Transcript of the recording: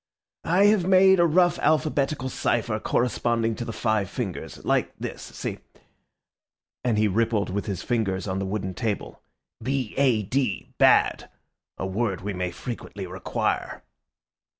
I have made a rough alphabetical cypher corresponding to the five fingers—like this, see," and he rippled with his fingers on the wooden table—"B A D, bad, a word we may frequently require."